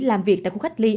làm việc tại khu khách sạn